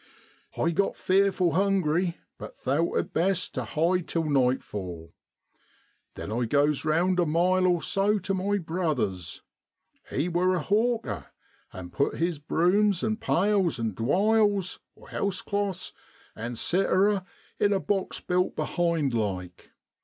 I got fearful hungry, but thowt it best tu hide till nightfall. Then I goes round a mile or so tu my brother's he wor a hawker an' put his brumes an' pails, and dwiles (housecloths) an' sitera in a box built behind like.